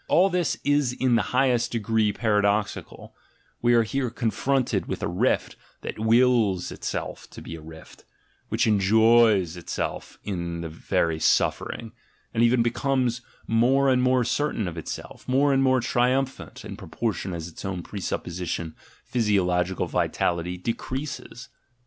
All this is in the highest degree paradoxical: we are here confronted with a rift that wills itself to be a rift, which enjoys itself in this very suffering, and even becomes more and more certain of itself, more and more triumphant, in proportion as its own presupposition, physiological vitality, decreases.